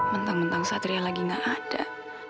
menteng menteng saat dia lagi gak ada